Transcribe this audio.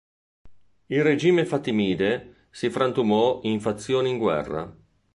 Il regime fatimide si frantumò in fazioni in guerra.